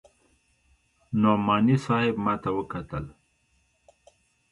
نعماني صاحب ما ته وکتل.